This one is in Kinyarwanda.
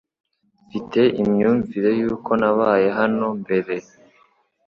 Mfite imyumvire yuko nabaye hano mbere.